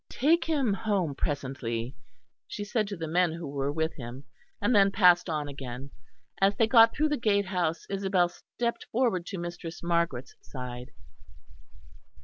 "Take him home presently," she said to the men who were with him and then passed on again. As they got through the gatehouse, Isabel stepped forward to Mistress Margaret's side.